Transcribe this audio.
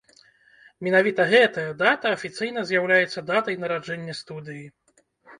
Менавіта гэтая дата афіцыйна з'яўляецца датай нараджэння студыі.